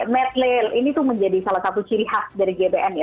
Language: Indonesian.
net lail ini tuh menjadi salah satu ciri khas dari gbn ya